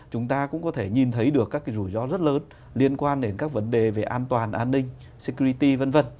chúng ta cũng có thể nhìn thấy được các rủi ro rất lớn liên quan đến các vấn đề về an toàn an ninh sicrity v v